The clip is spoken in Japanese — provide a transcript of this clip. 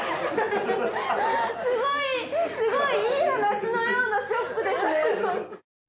すごいすごいいい話のようなショックですね。